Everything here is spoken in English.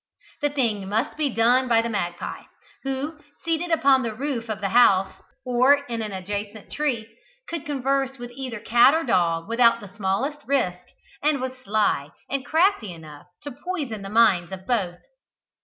The thing must be done by the magpie, who, seated upon the roof of the house, or in an adjacent tree, could converse with either cat or dog without the smallest risk, and was sly and crafty enough to poison the minds of both.